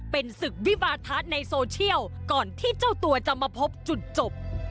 เป็นศึกวิวาทะในโซเชียลก่อนที่เจ้าตัวจะมาพบจุดจบ